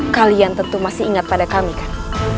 kalian tentu masih ingat pada kami kan